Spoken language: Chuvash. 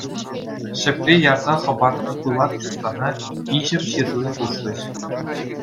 Ҫӗпре ярса хӑпартнӑ пылак чустана иҫӗм ҫырли хушрӗҫ.